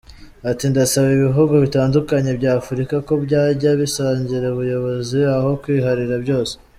Ati “Ndasaba ibihugu bitandukanye bya Afurika ko byajya bisangira ubuyobozi aho kwiharira byose.”